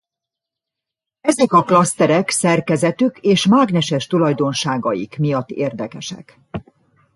Ezek a klaszterek szerkezetük és mágneses tulajdonságaik miatt érdekesek.